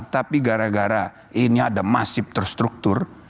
tapi gara gara ini ada masif terstruktur